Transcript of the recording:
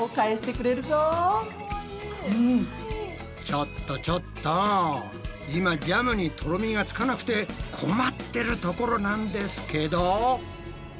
ちょっとちょっと今ジャムにとろみがつかなくて困ってるところなんですけど。